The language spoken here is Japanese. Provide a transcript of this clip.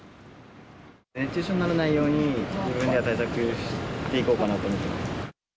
熱中症にならないように、自分では対策していこうかなと思ってます。